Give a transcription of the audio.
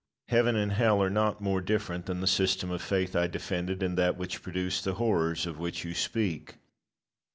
Heaven and hell are not more different than the system of faith I defended and that which produced the horrors of which you speak.